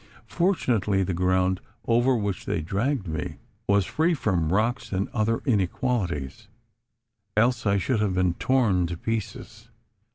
Fortunately the ground over which they dragged me, was free from rocks or other inequalities else I should have been torn to pieces.